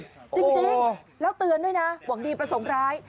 จริงแล้วเตือนด้วยนะหวังดีประสงค์ร้าย